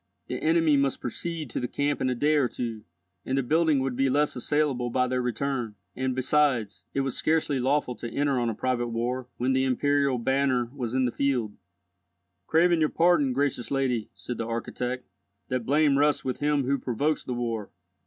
The enemy must proceed to the camp in a day or two, and the building would be less assailable by their return; and, besides, it was scarcely lawful to enter on a private war when the imperial banner was in the field. "Craving your pardon, gracious lady," said the architect, "that blame rests with him who provokes the war.